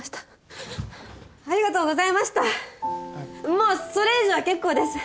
もうそれ以上は結構です。